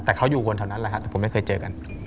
แต่เขาอยู่คนแถวนั้นแหละครับแต่ผมไม่เคยเจอกัน